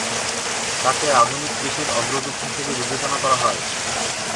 তাকে আধুনিক কৃষির অগ্রদূত হিসেবে বিবেচনা করা হয়।